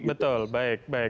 betul baik baik